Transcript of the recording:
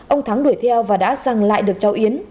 ông thắng đuổi theo và đã sang lại được cháu yến